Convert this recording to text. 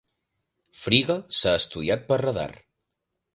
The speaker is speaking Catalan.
Frigga s'ha estudiat per radar.